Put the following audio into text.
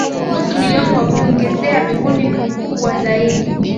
nusu milioni Kwa kuongezea vikundi vikubwa zaidi